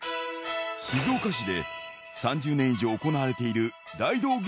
静岡市で３０年以上行われている大道芸